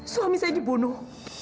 suami saya dibunuh